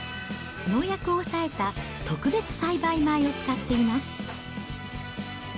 農薬を抑えた特別栽培米を使っています。